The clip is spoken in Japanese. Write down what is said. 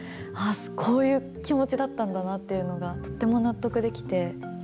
こういう気持ちだったんだなっていうのが、とっても納得できて。